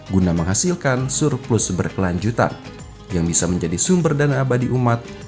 guna menghasilkan surplus berkelanjutan yang bisa menjadi sumber dana abadi umat